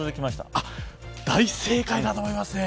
大正解だと思います。